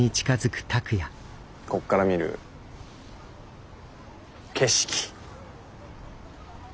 ここから見る景色。